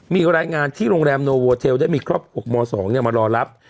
มีรายงานที่โรงแรมโนโวเทลได้มีครอบครัวของหมอสองเนี่ยมารอรับ